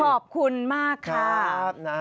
ขอบคุณมากครับ